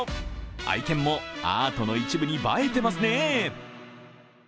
愛犬もアートの一部に映えてますね。